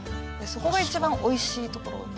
そこが一番おいしいところ。